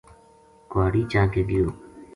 کُہاڑی چا کے گیو